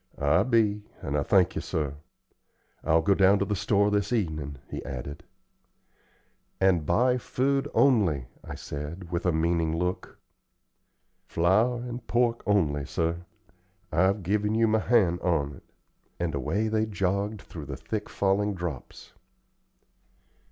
"I be, and I thank you, sir. I'll go down to the store this evenin'," he added. "And buy food only," I said, with a meaning look. "Flour and pork only, sir. I've given you my hand on't;" and away they all jogged through the thick falling drops.